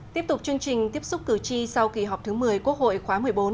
tiếp tục chương trình tiếp xúc cử tri sau kỳ họp thứ một mươi quốc hội khóa một mươi bốn